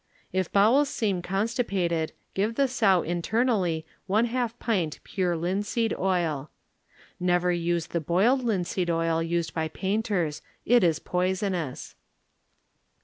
If bowels seem constipated give the sow internally one half pint pure linseed oil. (Never use the boiled linseed oil used by painters; it is poisonous.)